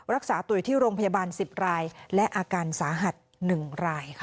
รักษาตัวอยู่ที่โรงพยาบาล๑๐รายและอาการสาหัส๑รายค่ะ